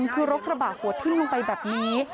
คือรถกระบะหัวทิ้มลงไปแบบนี้